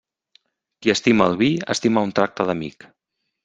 Qui estima el vi estima un tracte d'amic.